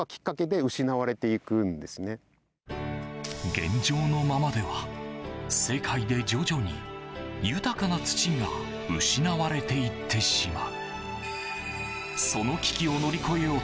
現状のままでは、世界で徐々に、豊かな土が失われていってしまう。